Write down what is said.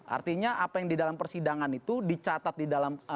artinya apa yang di dalam persidangan itu dicatat di dalam